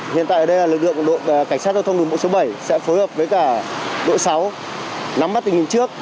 hiện tại đây lực lượng đội cảnh sát giao thông đường bộ số bảy sẽ phối hợp với cả đội sáu nắm bắt tình hình trước